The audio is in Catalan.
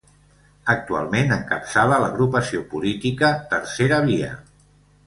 Actualment, encapçala l'agrupació política Tercera Via.